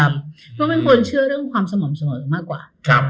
เพราะเป็นคนเชื่อเรื่องความสม่ำเสมอมากกว่า